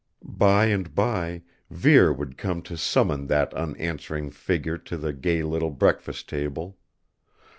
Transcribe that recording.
By and by Vere would come to summon that unanswering figure to the gay little breakfast table.